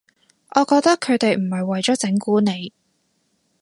我覺得佢哋唔係為咗整蠱你